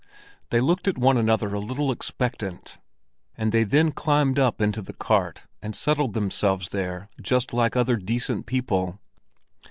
They looked at one another a little expectant; and they then climbed up into the cart and settled themselves there just like other decent people.